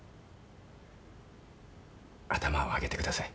頭を上げてください。